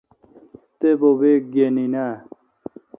تا بوبے گین اے۔